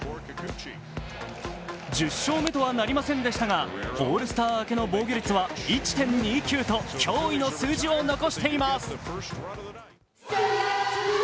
１０勝目とはなりませんでしたがオールスター明けの防御率は１．２９と驚異の数字を残しています。